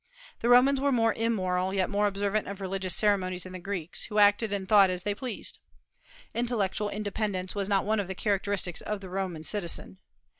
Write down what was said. The Romans were more immoral yet more observant of religious ceremonies than the Greeks, who acted and thought as they pleased. Intellectual independence was not one of the characteristics of the Roman citizen.